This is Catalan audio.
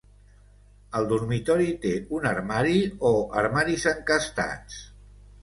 El dormitori té un armari, o armaris encastats?